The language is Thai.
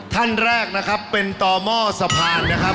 ท่านแรกนะครับเป็นต่อหม้อสะพานนะครับ